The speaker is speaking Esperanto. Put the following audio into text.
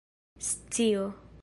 scio